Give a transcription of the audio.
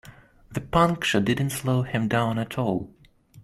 The puncture didn't slow him down at all.